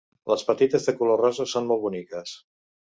Les petites de color rosa són molt boniques.